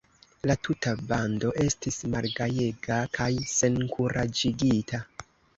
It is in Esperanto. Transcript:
La tuta bando estis malgajega kaj senkuraĝigita.